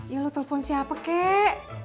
iya lu telfon siapa kek